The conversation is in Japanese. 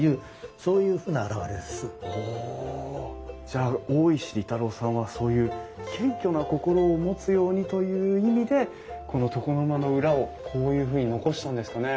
じゃあ大石利太郎さんはそういう謙虚な心を持つようにという意味でこの床の間の裏をこういうふうに残したんですかね？